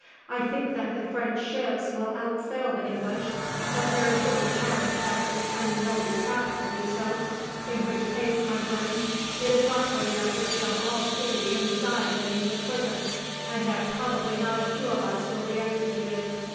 "I think that the French ships will outsail the English, but there is little chance that this unwieldy craft will do so; in which case, my friends, it is likely that we shall all see the inside of an English prison, and that probably not a few of us will be executed.